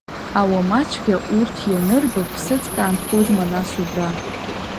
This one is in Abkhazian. Ауамацәгьа урҭ ианырба, ԥсыӡк аанхозма нас убра…